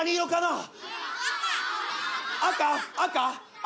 赤？赤？